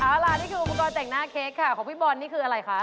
เอาล่ะนี่คืออุปกรณ์แต่งหน้าเค้กค่ะของพี่บอลนี่คืออะไรคะ